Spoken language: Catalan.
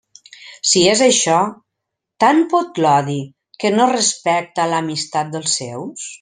Si és això, tant pot l'odi que no respecta l'amistat dels seus?